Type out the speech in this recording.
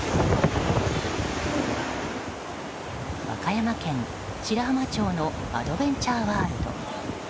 和歌山県白浜町のアドベンチャーワールド。